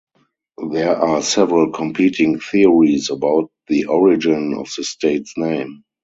There are several competing theories about the origin of the state's name.